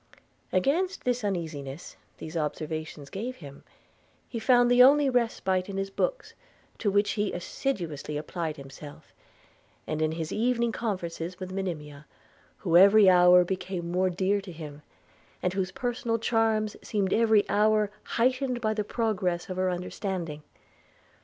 Against the uneasiness these observations gave him he found the only respite in his books, to which he assiduously applied himself and in his evening conferences with Monimia, who every hour became more dear to him, and whose personal charms seemed every hour heightened by the progress of her understanding.